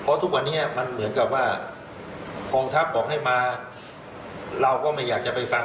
เพราะทุกวันนี้มันเหมือนกับว่ากองทัพบอกให้มาเราก็ไม่อยากจะไปฟัง